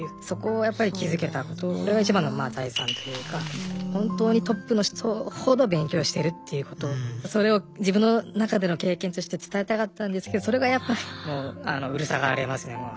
そこをやっぱり気付けたことこれが一番の財産というか本当にトップの人ほど勉強してるっていうことそれを自分の中での経験として伝えたかったんですけどそれがやっぱりうるさがられますね。